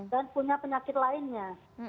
dan punya penyakit lainnya